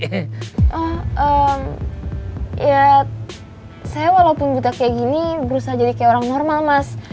ya saya walaupun buta kayak gini berusaha jadi kayak orang normal mas